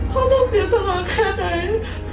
พ่อต้องเสียสลักแค่ไหน